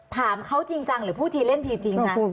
ถามเขาจริงจังหรือพูดทีเล่นทีจริงคะ